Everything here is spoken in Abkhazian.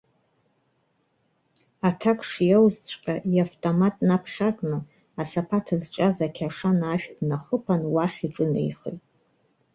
Аҭак шиаузҵәҟьа, иавтомат наԥхьакны, асапат зҿаз ақьашана ашә днахыԥан, уахь иҿынеихеит.